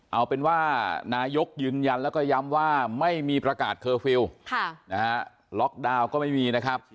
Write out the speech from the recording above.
เอาเป็นว่านายกยืนยันแล้วก็ย้ำว่าไม่มีประกาศเคอร์ฟิลล์ล็อกดาวน์ก็ไม่มีนะครับ